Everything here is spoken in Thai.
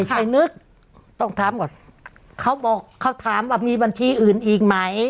ไปนึกต้องถามก่อนเขาบอกเขาถามว่ามีบัญชีอื่นอีกไหม